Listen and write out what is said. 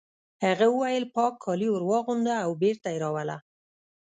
هغه وویل پاک کالي ور واغونده او بېرته یې راوله